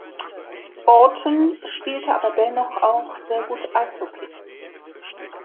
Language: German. Orton spielte aber dennoch auch sehr gut Eishockey.